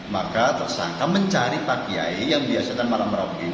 maka tersangka mencari pak kiyai yang biasanya malam merauk gini